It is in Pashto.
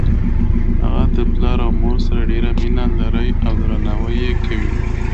هغه د خپل پلار او مور سره ډیره مینه لری او درناوی یی کوي